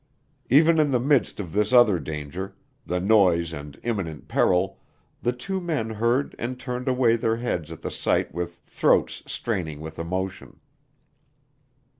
Even in the midst of this other danger the noise and imminent peril, the two men heard and turned away their heads at the sight with throats straining with emotion.